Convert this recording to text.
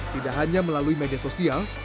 tidak hanya melalui media sosial